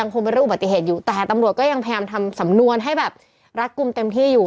โฆกษุตัหารามสำนวนให้แบบรักกลุ่มเต็มที่อยู่